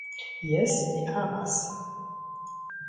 Jes, mi amas.